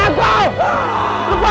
dan terlebih dahulu